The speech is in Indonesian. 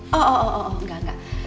oh oh oh oh enggak enggak